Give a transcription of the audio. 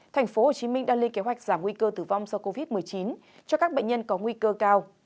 tp hcm đang lên kế hoạch giảm nguy cơ tử vong do covid một mươi chín cho các bệnh nhân có nguy cơ cao